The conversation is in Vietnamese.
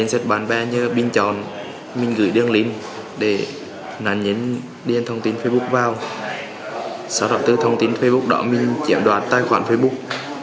sau đầu tư thông tin facebook đó mình chiếm đoạt tài khoản facebook